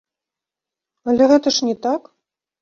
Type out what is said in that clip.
Але гэта ж не так!